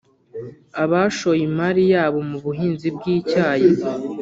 Abashoye imari yabo mu buhinzi bw’Icyayi